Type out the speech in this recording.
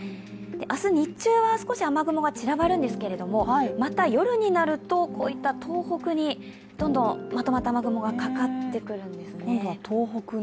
明日日中は少し雨雲が散らばるんですけれどもまた夜になると、こういった、東北にまとまった雨雲がかかってくるんですね。